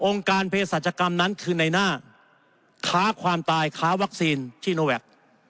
องค์การเพศจรรย์กรรมนั้นคือในหน้าขาความตายขาวัคซีนจิโนแวค